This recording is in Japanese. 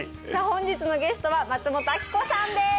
本日のゲストは松本明子さんです